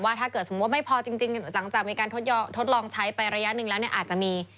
ถ้าเกิดสมมุติไม่พอจริงหลังจากมีการทดลองใช้ไประยะหนึ่งแล้วเนี่ยอาจจะมี